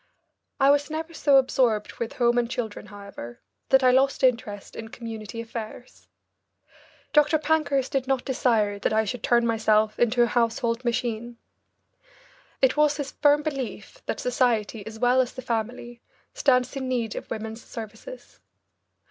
I was never so absorbed with home and children, however, that I lost interest in community affairs. Dr. Pankhurst did not desire that I should turn myself into a household machine. It was his firm belief that society as well as the family stands in need of women's services.